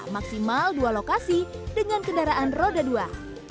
maksimal dua lokasi dengan kendaraan roda dua